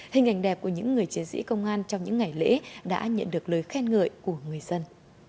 hình ảnh đẹp của những người chiến sĩ công an trong những ngày lễ đã nhận được lời khen ngợi của người dân